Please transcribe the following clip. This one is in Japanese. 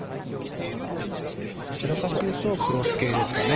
どちらかというとクロス系ですね。